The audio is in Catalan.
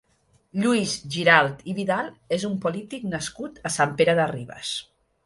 Lluís Giralt i Vidal és un polític nascut a Sant Pere de Ribes.